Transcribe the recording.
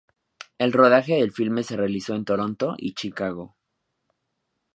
El rodaje del filme se realizó en Toronto y Chicago.